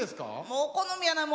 もう好みやない。